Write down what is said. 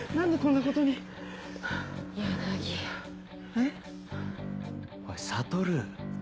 えっ？おい悟。